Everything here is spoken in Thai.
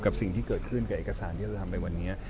สิ่งที่เกิดขึ้นกับเอกสารที่เราทำไปวันนี้